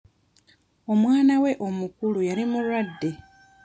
Omwano we omukulu yali mulwadde.